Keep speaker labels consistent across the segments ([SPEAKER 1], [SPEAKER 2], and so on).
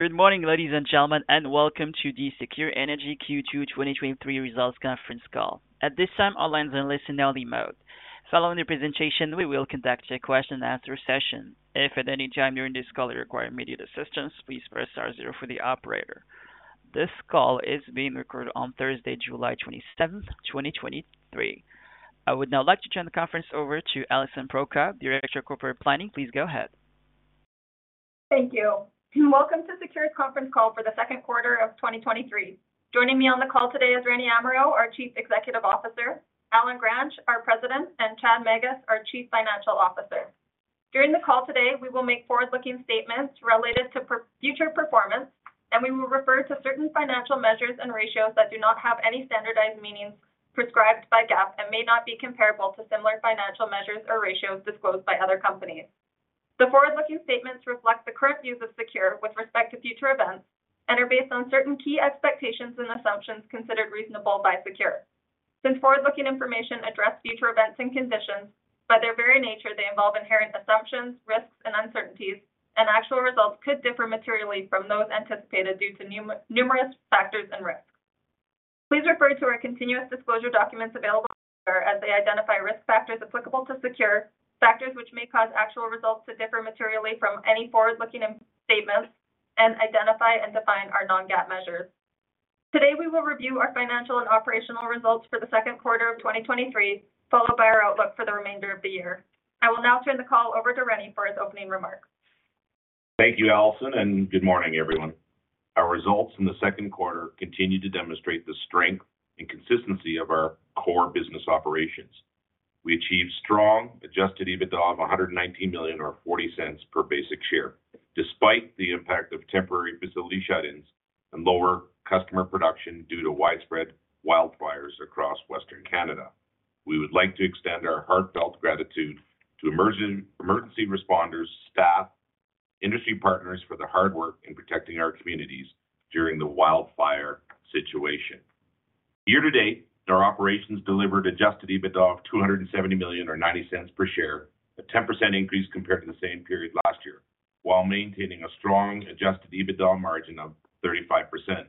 [SPEAKER 1] Good morning, ladies and gentlemen, welcome to the SECURE Energy Q2 2023 Results Conference Call. At this time, all lines are in listen-only mode. Following the presentation, we will conduct a question-and-answer session. If at any time during this call you require immediate assistance, please press star zero for the operator. This call is being recorded on Thursday, July 27th, 2023. I would now like to turn the conference over to Alison Prokop, Director of Corporate Planning. Please go ahead.
[SPEAKER 2] Thank you, welcome to SECURE's Conference Call for The Second Quarter of 2023. Joining me on the call today is Rene Amirault, our Chief Executive Officer, Allen Gransch, our President, and Chad Magus, our Chief Financial Officer. During the call today, we will make forward-looking statements related to future performance, and we will refer to certain financial measures and ratios that do not have any standardized meanings prescribed by GAAP and may not be comparable to similar financial measures or ratios disclosed by other companies. The forward-looking statements reflect the current views of SECURE with respect to future events and are based on certain key expectations and assumptions considered reasonable by SECURE. Since forward-looking information address future events and conditions, by their very nature, they involve inherent assumptions, risks and uncertainties, and actual results could differ materially from those anticipated due to numerous factors and risks. Please refer to our continuous disclosure documents available, as they identify risk factors applicable to SECURE, factors which may cause actual results to differ materially from any forward-looking statements and identify and define our non-GAAP measures. Today, we will review our financial and operational results for the second quarter of 2023, followed by our outlook for the remainder of the year. I will now turn the call over to Rene for his opening remarks.
[SPEAKER 3] Thank you, Alison. Good morning, everyone. Our results in the second quarter continued to demonstrate the strength and consistency of our core business operations. We achieved strong Adjusted EBITDA of 119 million, or 0.40 per basic share, despite the impact of temporary facility shut-ins and lower customer production due to widespread wildfires across Western Canada. We would like to extend our heartfelt gratitude to emergency responders, staff, industry partners for their hard work in protecting our communities during the wildfire situation. Year to date, our operations delivered Adjusted EBITDA of 270 million or 0.90 per share, a 10% increase compared to the same period last year, while maintaining a strong Adjusted EBITDA margin of 35%.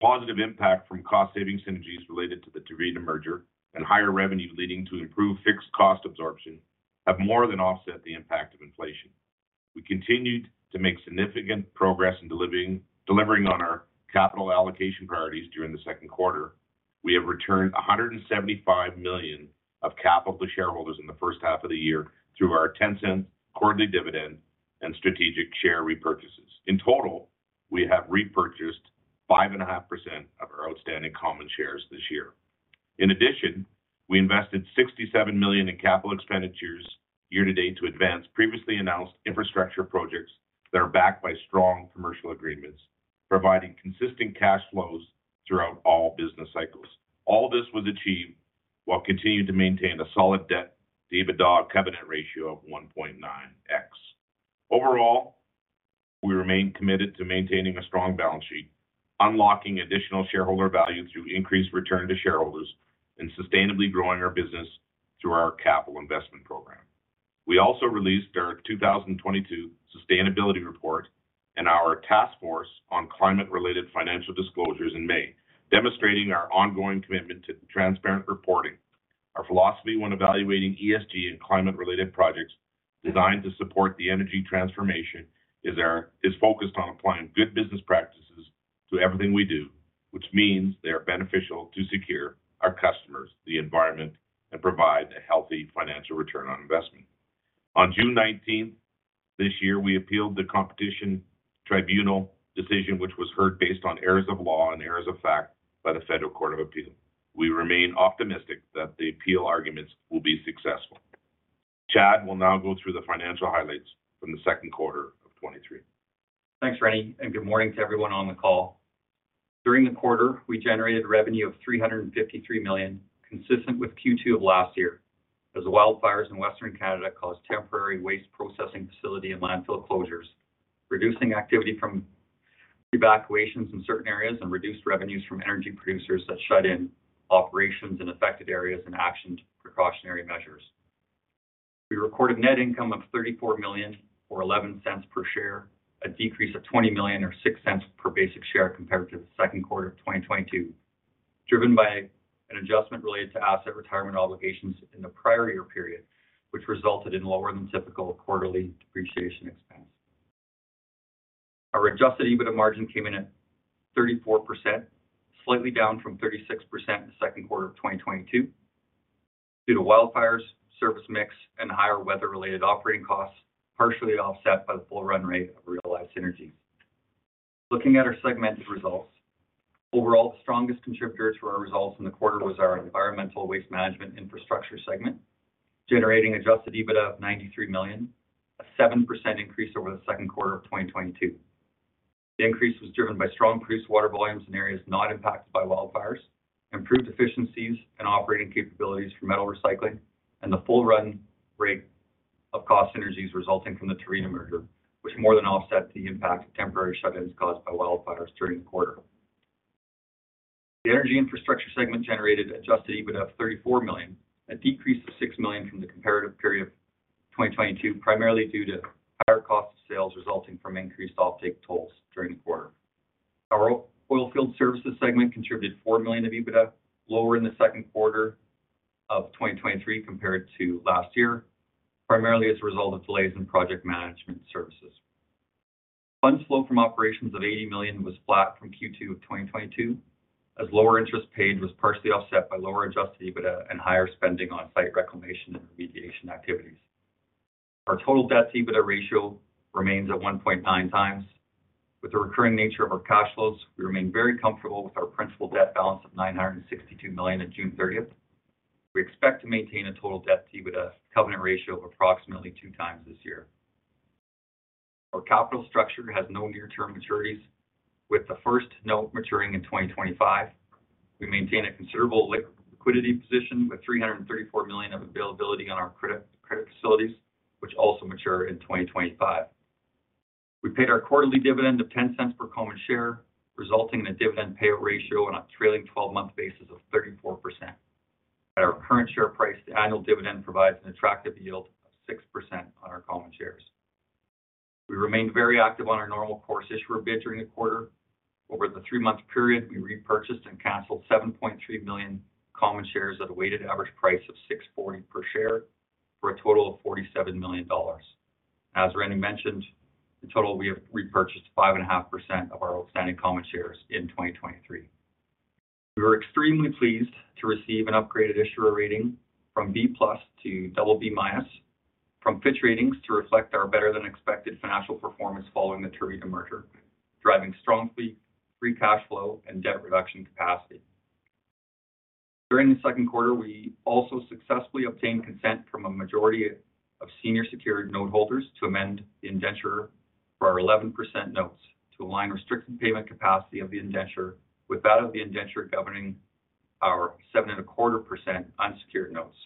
[SPEAKER 3] Positive impact from cost-saving synergies related to the Tervita merger and higher revenue leading to improved fixed cost absorption have more than offset the impact of inflation. We continued to make significant progress in delivering on our capital allocation priorities during the second quarter. We have returned 175 million of capital to shareholders in the first half of the year through our CAD 0.10 quarterly dividend and strategic share repurchases. In total, we have repurchased 5.5% of our outstanding common shares this year. In addition, we invested 67 million in capital expenditures year to date to advance previously announced infrastructure projects that are backed by strong commercial agreements, providing consistent cash flows throughout all business cycles. All this was achieved while continuing to maintain a solid Debt-to-EBITDA covenant ratio of 1.9x. Overall, we remain committed to maintaining a strong balance sheet, unlocking additional shareholder value through increased return to shareholders, and sustainably growing our business through our capital investment program. We also released our 2022 sustainability report and our Task Force on Climate-Related Financial Disclosures in May, demonstrating our ongoing commitment to transparent reporting. Our philosophy when evaluating ESG and climate-related projects designed to support the energy transformation is focused on applying good business practices to everything we do, which means they are beneficial to SECURE, our customers, the environment, and provide a healthy financial return on investment. On June nineteenth, this year, we appealed the Competition Tribunal decision, which was heard based on errors of law and errors of fact by the Federal Court of Appeal. We remain optimistic that the appeal arguments will be successful. Chad will now go through the financial highlights from the second quarter of 2023.
[SPEAKER 4] Thanks, Rene, good morning to everyone on the call. During the quarter, we generated revenue of 353 million, consistent with Q2 of last year, as the wildfires in Western Canada caused temporary waste processing facility and landfill closures, reducing activity from evacuations in certain areas and reduced revenues from energy producers that shut in operations in affected areas and actioned precautionary measures. We recorded net income of 34 million, or 0.11 per share, a decrease of 20 million or 0.06 per basic share compared to the second quarter of 2022, driven by an adjustment related to asset retirement obligations in the prior year period, which resulted in lower than typical quarterly depreciation expense. Our Adjusted EBITDA margin came in at 34%, slightly down from 36% in the second quarter of 2022, due to wildfires, service mix, and higher weather-related operating costs, partially offset by the full run rate of realized synergies. Looking at our segmented results. The strongest contributors for our results in the quarter was our Environmental Waste Management Infrastructure segment, generating Adjusted EBITDA of 93 million, a 7% increase over the second quarter of 2022. The increase was driven by strong produced water volumes in areas not impacted by wildfires, improved efficiencies and operating capabilities for metal recycling, and the full run rate of cost synergies resulting from the Tervita merger, which more than offset the impact of temporary shut-ins caused by wildfires during the quarter. The Energy Infrastructure segment generated Adjusted EBITDA of 34 million, a decrease of 6 million from the comparative period of 2022, primarily due to higher cost of sales resulting from increased offtake tolls during the quarter. Our Oilfield Services segment contributed 4 million of EBITDA, lower in the second quarter of 2023 compared to last year, primarily as a result of delays in project management services. funds flow from operations of 80 million was flat from Q2 of 2022, as lower interest paid was partially offset by lower Adjusted EBITDA and higher spending on site reclamation and remediation activities. Our total Debt-to-EBITDA ratio remains at 1.9x. With the recurring nature of our cash flows, we remain very comfortable with our principal debt balance of 962 million on June 30th. We expect to maintain a total debt-to-EBITDA covenant ratio of approximately 2x this year. Our capital structure has no near-term maturities, with the first note maturing in 2025. We maintain a considerable liquidity position with 334 million of availability on our credit facilities, which also mature in 2025. We paid our quarterly dividend of 0.10 per common share, resulting in a dividend payout ratio on a trailing 12-month basis of 34%. At our current share price, the annual dividend provides an attractive yield of 6% on our common shares. We remained very active on our normal course issuer bid during the quarter. Over the three-month period, we repurchased and canceled 7.3 million common shares at a weighted average price of 6.40 per share, for a total of 47 million dollars. As Rene mentioned, in total, we have repurchased 5.5% of our outstanding common shares in 2023. We were extremely pleased to receive an upgraded issuer rating from B+ to BB- from Fitch Ratings to reflect our better-than-expected financial performance following the Tervita merger, driving strong free cash flow and debt reduction capacity. During the second quarter, we also successfully obtained consent from a majority of senior secured noteholders to amend the indenture for our 11% notes to align restricted payment capacity of the indenture with that of the indenture governing our 7.25% unsecured notes,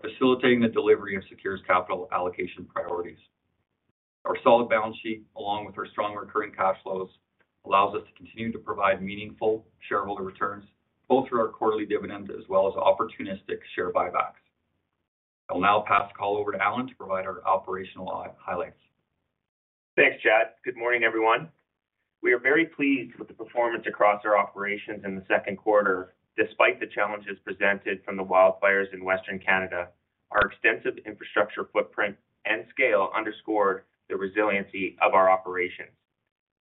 [SPEAKER 4] facilitating the delivery of SECURE's capital allocation priorities. Our solid balance sheet, along with our strong recurring cash flows, allows us to continue to provide meaningful shareholder returns, both through our quarterly dividends as well as opportunistic share buybacks. I'll now pass the call over to Allen to provide our operational highlights.
[SPEAKER 5] Thanks, Chad. Good morning, everyone. We are very pleased with the performance across our operations in the second quarter. Despite the challenges presented from the wildfires in Western Canada, our extensive infrastructure footprint and scale underscored the resiliency of our operations.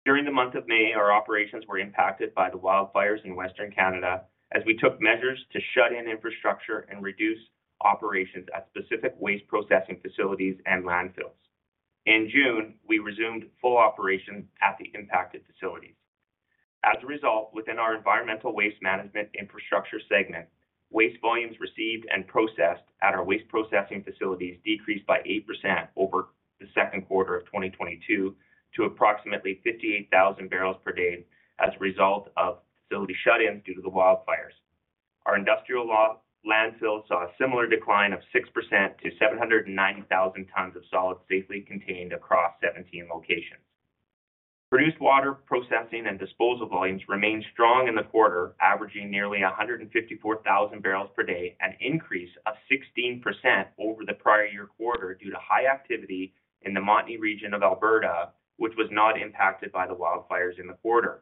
[SPEAKER 5] During the month of May, our operations were impacted by the wildfires in Western Canada as we took measures to shut in infrastructure and reduce operations at specific waste processing facilities and landfills. In June, we resumed full operations at the impacted facilities. As a result, within our Environmental Waste Management Infrastructure segment, waste volumes received and processed at our waste processing facilities decreased by 8% over the second quarter of 2022 to approximately 58,000 barrels per day as a result of facility shut-ins due to the wildfires. Our industrial landfill saw a similar decline of 6% to 790,000 tons of solids safely contained across 17 locations. Produced water processing and disposal volumes remained strong in the quarter, averaging nearly 154,000 barrels per day, an increase of 16% over the prior year quarter due to high activity in the Montney region of Alberta, which was not impacted by the wildfires in the quarter.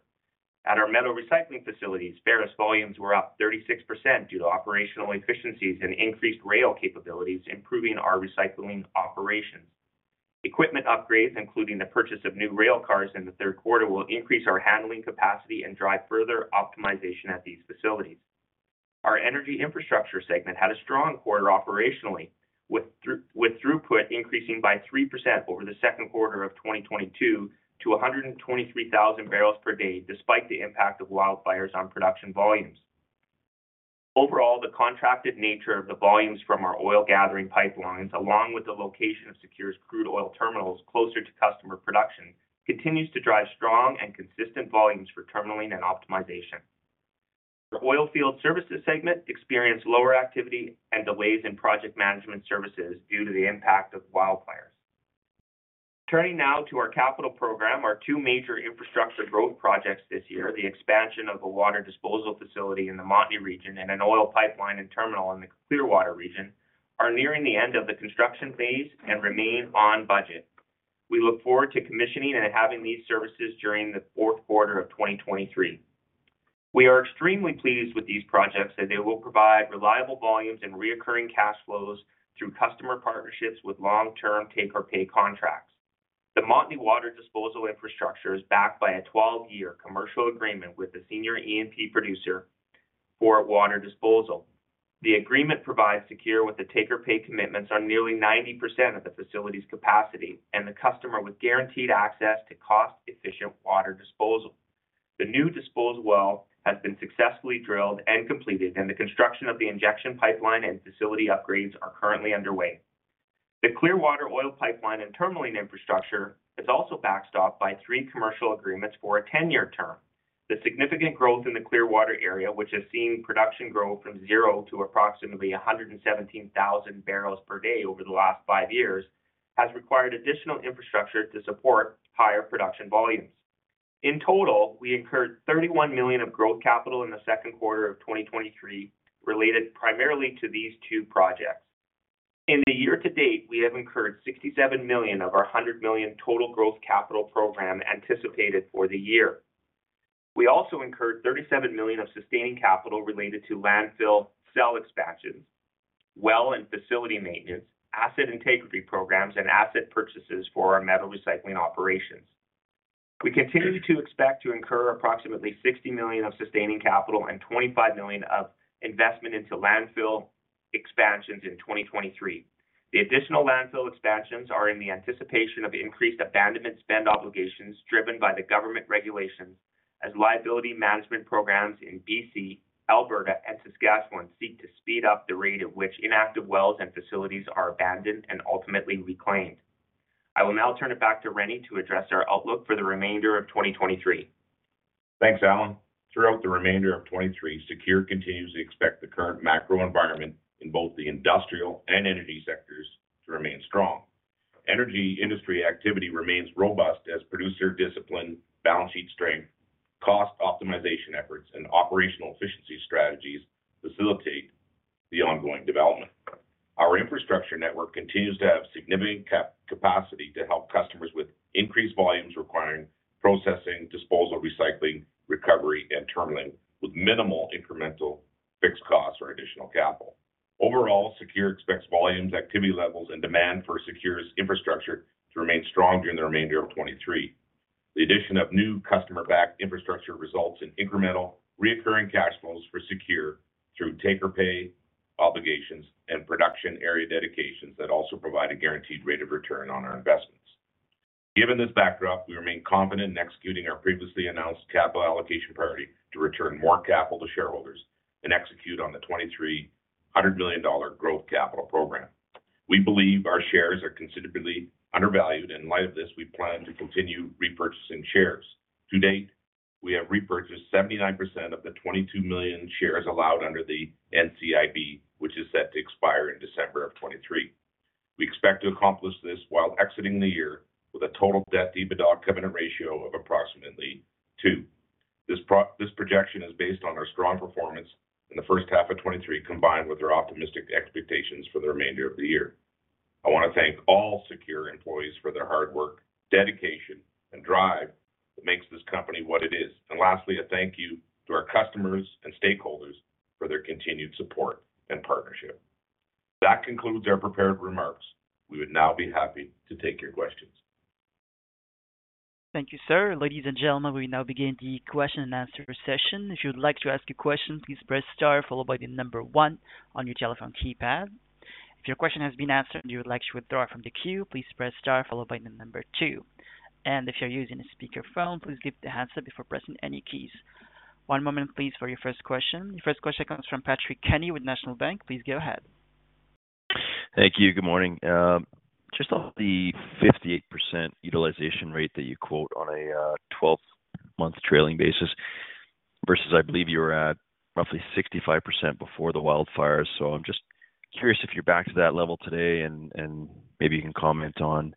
[SPEAKER 5] At our metal recycling facilities, ferrous volumes were up 36% due to operational efficiencies and increased rail capabilities, improving our recycling operations. Equipment upgrades, including the purchase of new rail cars in the third quarter, will increase our handling capacity and drive further optimization at these facilities. Our Energy Infrastructure segment had a strong quarter operationally, with throughput increasing by 3% over the second quarter of 2022 to 123,000 barrels per day, despite the impact of wildfires on production volumes. Overall, the contracted nature of the volumes from our oil gathering pipelines, along with the location of SECURE's crude oil terminals closer to customer production, continues to drive strong and consistent volumes for terminalling and optimization. The Oilfield Services segment experienced lower activity and delays in project management services due to the impact of wildfires. Turning now to our capital program, our two major infrastructure growth projects this year, the expansion of a water disposal facility in the Montney region and an oil pipeline and terminal in the Clearwater region, are nearing the end of the construction phase and remain on budget. We look forward to commissioning and having these services during the fourth quarter of 2023. We are extremely pleased with these projects, as they will provide reliable volumes and recurring cash flows through customer partnerships with long-term take-or-pay contracts. The Montney water disposal infrastructure is backed by a 12-year commercial agreement with the senior E&P producer for water disposal. The agreement provides SECURE with the take-or-pay commitments on nearly 90% of the facility's capacity and the customer with guaranteed access to cost-efficient water disposal. The new disposal well has been successfully drilled and completed. The construction of the injection pipeline and facility upgrades are currently underway. The Clearwater oil pipeline and terminalling infrastructure is also backstopped by three commercial agreements for a 10-year term. The significant growth in the Clearwater, which has seen production grow from zero to approximately 117,000 barrels per day over the last five years, has required additional infrastructure to support higher production volumes. In total, we incurred 31 million of growth capital in the second quarter of 2023, related primarily to these two projects. In the year to date, we have incurred 67 million of our 100 million total growth capital program anticipated for the year. We also incurred 37 million of sustaining capital related to landfill cell expansions, well and facility maintenance, asset integrity programs, and asset purchases for our metal recycling operations. We continue to expect to incur approximately 60 million of sustaining capital and 25 million of investment into landfill expansions in 2023. The additional landfill expansions are in the anticipation of the increased abandonment spend obligations driven by the government regulations as liability management programs in B.C., Alberta, and Saskatchewan seek to speed up the rate at which inactive wells and facilities are abandoned and ultimately reclaimed. I will now turn it back to Rene to address our outlook for the remainder of 2023.
[SPEAKER 3] Thanks, Allen. Throughout the remainder of 2023, SECURE continues to expect the current macro environment in both the industrial and energy sectors to remain strong. Energy industry activity remains robust as producer discipline, balance sheet strength, cost optimization efforts, and operational efficiency strategies facilitate the ongoing development. Our infrastructure network continues to have significant capacity to help customers with increased volumes requiring processing, disposal, recycling, recovery, and terminalling, with minimal incremental fixed costs or additional capital. SECURE expects volumes, activity levels, and demand for SECURE's infrastructure to remain strong during the remainder of 2023. The addition of new customer-backed infrastructure results in incremental recurring cash flows for SECURE through take-or-pay obligations and production area dedications that also provide a guaranteed rate of return on our investments. Given this backdrop, we remain confident in executing our previously announced capital allocation priority to return more capital to shareholders and execute on the 2023 100 million dollar growth capital program. We believe our shares are considerably undervalued. In light of this, we plan to continue repurchasing shares. To date, we have repurchased 79% of the 22 million shares allowed under the NCIB, which is set to expire in December of 2023. We expect to accomplish this while exiting the year with a total Debt-to-EBITDA covenant ratio of approximately two. This projection is based on our strong performance in the first half of 2023, combined with our optimistic expectations for the remainder of the year. I want to thank all SECURE employees for their hard work, dedication, and drive that makes this company what it is. Lastly, a thank you to our customers and stakeholders for their continued support and partnership. That concludes our prepared remarks. We would now be happy to take your questions.
[SPEAKER 1] Thank you, sir. Ladies and gentlemen, we now begin the question and answer session. If you would like to ask a question, please press star followed by one on your telephone keypad. If your question has been answered and you would like to withdraw from the queue, please press star followed by two. If you're using a speakerphone, please give the handset before pressing any keys. One moment, please, for your first question. Your first question comes from Patrick Kenny with National Bank. Please go ahead.
[SPEAKER 6] Thank you. Good morning. Just on the 58% utilization rate that you quote on a 12-month trailing basis, versus I believe you were at roughly 65% before the wildfires. I'm just curious if you're back to that level today, and maybe you can comment on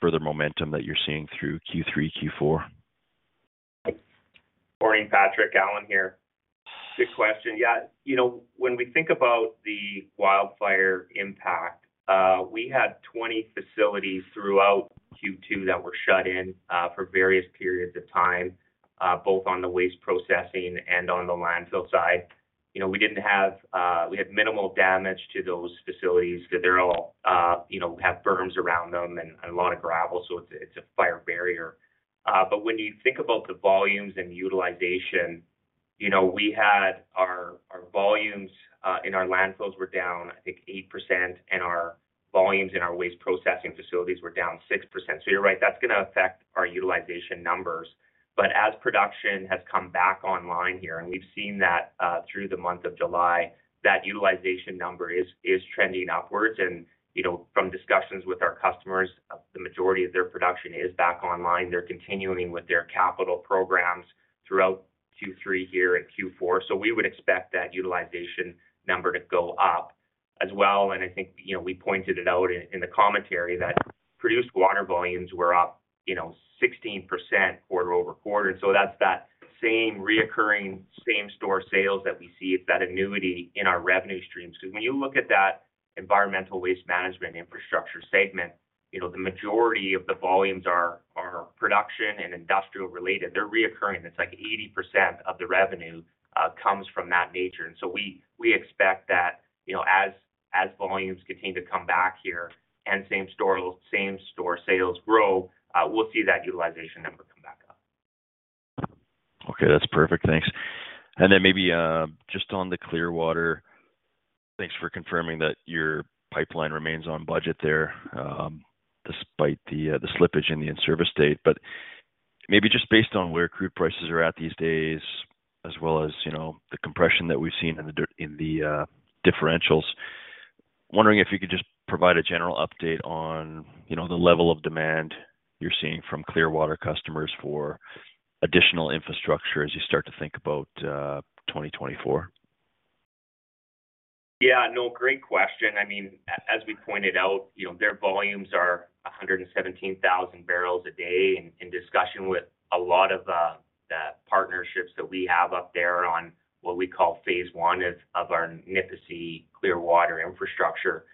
[SPEAKER 6] further momentum that you're seeing through Q3, Q4.
[SPEAKER 5] Morning, Patrick. Allen here. Good question. You know, when we think about the wildfire impact, we had 20 facilities throughout Q2 that were shut in for various periods of time, both on the waste processing and on the landfill side. We had minimal damage to those facilities. They're all, you know, have berms around them and a lot of gravel, it's a fire barrier. When you think about the volumes and utilization, you know, we had our volumes in our landfills were down, I think, 8%, and our volumes in our waste processing facilities were down 6%. You're right, that's gonna affect our utilization numbers. As production has come back online here, and we've seen that through the month of July, that utilization number is trending upwards. You know, from discussions with our customers, the majority of their production is back online. They're continuing with their capital programs throughout Q3 here and Q4. We would expect that utilization number to go up as well. I think, you know, we pointed it out in the commentary that produced water volumes were up, you know, 16% quarter-over-quarter. That's that same recurring, same-store sales that we see, it's that annuity in our revenue stream. When you look at that Environmental Waste Management Infrastructure segment, you know, the majority of the volumes are production and industrial-related. They're recurring. It's like 80% of the revenue comes from that nature. We expect that, you know, as volumes continue to come back here and same-store sales grow, we'll see that utilization number come back up.
[SPEAKER 6] Okay, that's perfect. Thanks. Maybe, just on the Clearwater, thanks for confirming that your pipeline remains on budget there, despite the slippage in the in-service date. Maybe just based on where crude prices are at these days, as well as, you know, the compression that we've seen in the differentials, wondering if you could just provide a general update on, you know, the level of demand you're seeing from Clearwater customers for additional infrastructure as you start to think about, 2024?
[SPEAKER 5] Yeah, no, great question. I mean, as we pointed out, you know, their volumes are 117,000 barrels a day. In discussion with a lot of the partnerships that we have up there on what we call phase one of our Nipisi Clearwater infrastructure.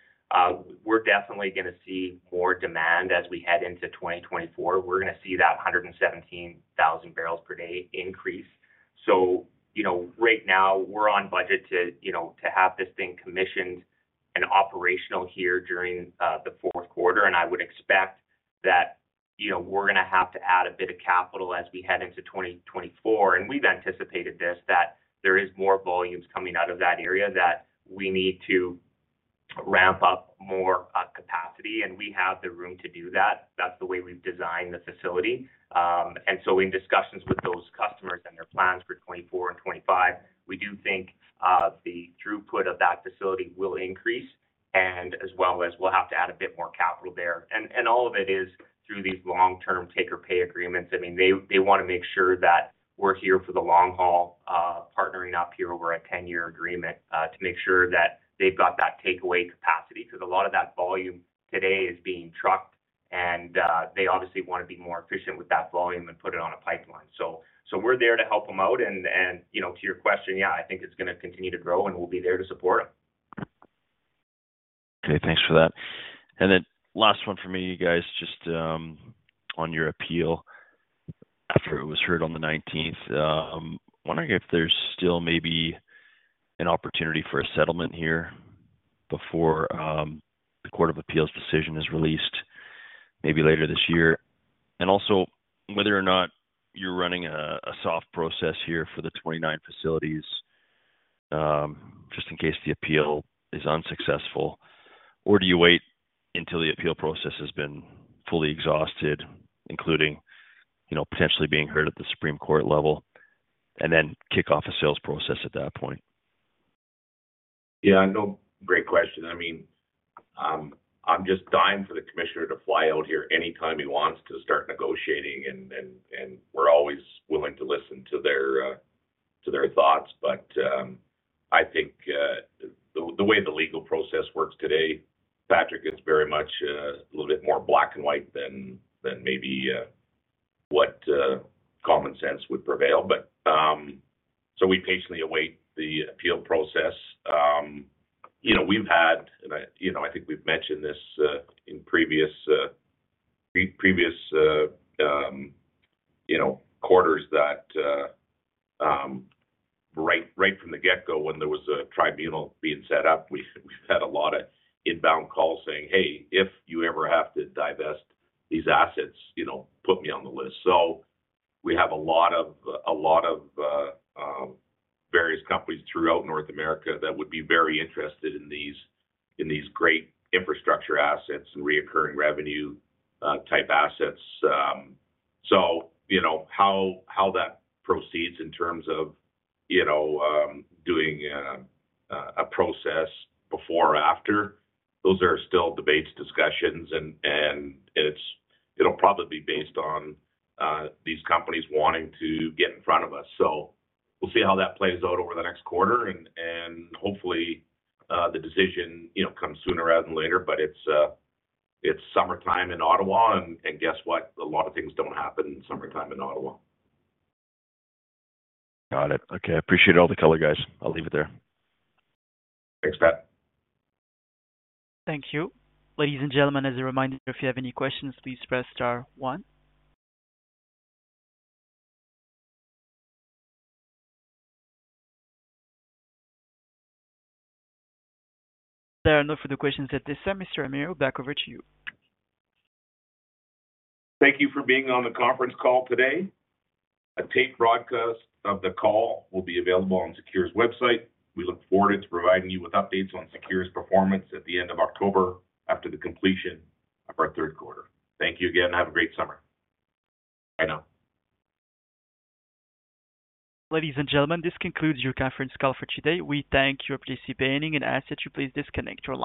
[SPEAKER 5] We're definitely gonna see more demand as we head into 2024. We're gonna see that 117,000 barrels per day increase. You know, right now, we're on budget to, you know, to have this thing commissioned and operational here during the fourth quarter. I would expect that, you know, we're gonna have to add a bit of capital as we head into 2024. We've anticipated this, that there is more volumes coming out of that area that we need to ramp up more capacity, and we have the room to do that. That's the way we've designed the facility. In discussions with those customers and their plans for 2024 and 2025, we do think the throughput of that facility will increase, and as well as we'll have to add a bit more capital there. All of it is through these long-term take-or-pay agreements. I mean, they wanna make sure that we're here for the long haul, partnering up here over a 10-year agreement, to make sure that they've got that takeaway capacity. A lot of that volume today is being trucked, and they obviously wanna be more efficient with that volume and put it on a pipeline. We're there to help them out, and, you know, to your question, yeah, I think it's gonna continue to grow, and we'll be there to support them.
[SPEAKER 6] Okay, thanks for that. Last one for me, you guys, just on your appeal, after it was heard on the 19th, wondering if there's still maybe an opportunity for a settlement here before the Court of Appeal decision is released, maybe later this year? Also, whether or not you're running a, a soft process here for the 29 facilities, just in case the appeal is unsuccessful, or do you wait until the appeal process has been fully exhausted, including, you know, potentially being heard at the Supreme Court level, and then kick off a sales process at that point?
[SPEAKER 3] Yeah, no, great question. I mean, I'm just dying for the commissioner to fly out here anytime he wants to start negotiating, and we're always willing to listen to their thoughts. I think the way the legal process works today, Patrick, it's very much a little bit more black and white than maybe what common sense would prevail. We patiently await the appeal process. You know, we've had, and I, you know, I think we've mentioned this, in previous, you know, quarters that, right from the get-go, when there was a tribunal being set up, we've had a lot of inbound calls saying, "Hey, if you ever have to divest these assets, you know, put me on the list." We have a lot of various companies throughout North America that would be very interested in these great infrastructure assets and recurring revenue, type assets. You know, how that proceeds in terms of, you know, doing a process before or after, those are still debates, discussions, and it'll probably be based on these companies wanting to get in front of us. We'll see how that plays out over the next quarter, and hopefully, the decision, you know, comes sooner rather than later, but it's summertime in Ottawa, and guess what? A lot of things don't happen in summertime in Ottawa.
[SPEAKER 6] Got it. Okay, I appreciate all the color, guys. I'll leave it there.
[SPEAKER 3] Thanks, Pat.
[SPEAKER 1] Thank you. Ladies and gentlemen, as a reminder, if you have any questions, please press star one. There are no further questions at this time. Mr. Amirault, back over to you.
[SPEAKER 3] Thank you for being on the conference call today. A tape broadcast of the call will be available on SECURE's website. We look forward to providing you with updates on SECURE's performance at the end of October after the completion of our third quarter. Thank you again, and have a great summer. Bye now.
[SPEAKER 1] Ladies and gentlemen, this concludes your conference call for today. We thank you for participating and ask that you please disconnect your line.